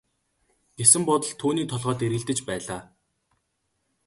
гэсэн бодол түүний толгойд эргэлдэж байлаа.